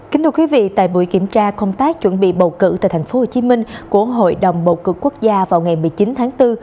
kính thưa quý vị tại buổi kiểm tra công tác chuẩn bị bầu cử tại tp hcm của hội đồng bầu cử quốc gia vào ngày một mươi chín tháng bốn